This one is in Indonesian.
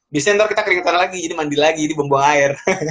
biasanya ntar kita keringetan lagi jadi mandi lagi jadi bumbu air